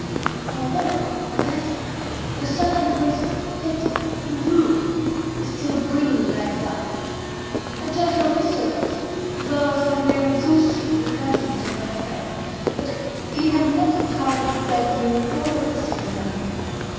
Although, as I say, the sun had arisen, yet the room was still brilliantly lighted up. I judge from this circumstance, as well as from an air of exhaustion in the countenance of my friend, that he had not retired to bed during the whole of the preceding night.